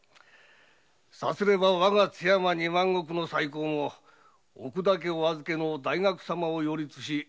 さすればわが津山二万石の再興も奥田家お預けの大学様を擁立しかなえてくださる。